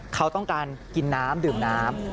เขาต้องการกินน้ำดื่มน้ำ